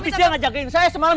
abis itu yang ngajakin saya semalam